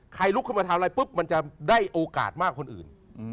ลุกขึ้นมาทำอะไรปุ๊บมันจะได้โอกาสมากคนอื่น